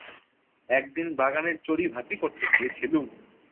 একদিন বাগানে চড়িভাতি করতে গিয়েছিলুম।